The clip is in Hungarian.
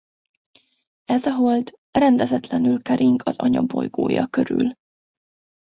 Ez a hold rendezetlenül kering az anyabolygója körül.